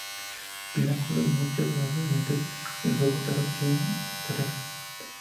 Pináculo y muchas de las variantes del juego Tarot tienen esta regla.